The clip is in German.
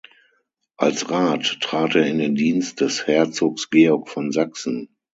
Als Rat trat er in den Dienst des Herzogs Georg von Sachsen.